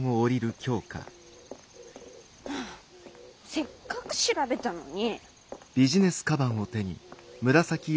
せっかく調べたのに。